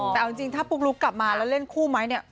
แต่เอาจริงถ้าปุ๊กลุกกลับมาแล้วเล่นคู่ไหมเนี่ย